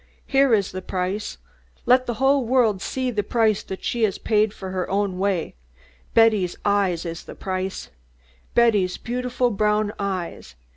Here is the price. Let the whole world see the price that she has paid for her own way, Betty's eyes is the price. Betty's beautiful brown eyes!'